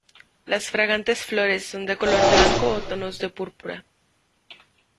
Las fragantes flores son de color blanco o tonos de púrpura.